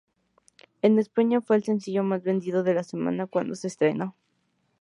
En España fue el sencillo más vendido de la semana cuando se estrenó.